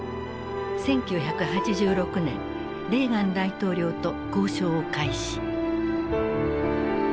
１９８６年レーガン大統領と交渉を開始。